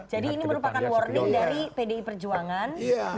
jadi ini merupakan warning dari pdi perjuangan